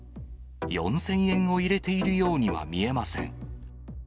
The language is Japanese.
４０００円を入れているようには見えません。